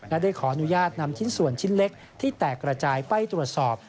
และได้ขออนุญาตนำชิ้นส่วนชิ้นเล็กที่แตกระจายไปตรวจสอบ